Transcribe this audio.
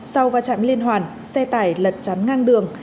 sau va chạm liên hoàn xe tải lật chắn ngang đường